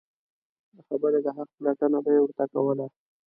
د خبرې د حق پلټنه به یې ورته کوله.